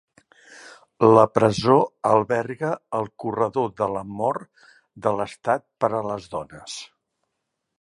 La presó alberga el corredor de la mort de l'estat per a les dones.